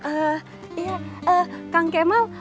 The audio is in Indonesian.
eh iya kang kemal